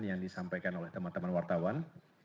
yang disampaikan oleh teman teman wartawan